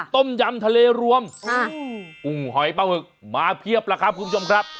ต้มยำทะเลรวมกุ้งหอยปลาหมึกมาเพียบแล้วครับคุณผู้ชมครับ